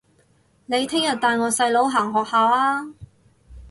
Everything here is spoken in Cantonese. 你聽日帶我細佬行學校吖